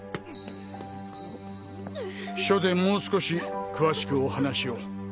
署でもう少し詳しくお話を。